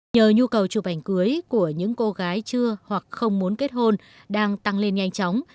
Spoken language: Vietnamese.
nhờ nhu cầu chụp ảnh cưới của những cô gái chưa hoặc không muốn kết hôn đang tăng lên nhanh chóng